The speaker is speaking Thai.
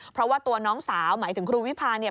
เพราะว่าตัวน้องสาวหมายถึงครูวิพาเนี่ย